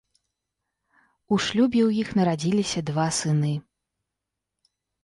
У шлюбе ў іх нарадзіліся два сыны.